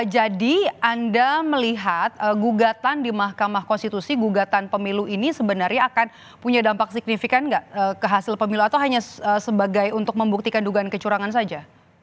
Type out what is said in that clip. jadi anda melihat gugatan di mahkamah konstitusi gugatan pemilu ini sebenarnya akan punya dampak signifikan gak ke hasil pemilu atau hanya sebagai untuk membuktikan dugaan kecurangan saja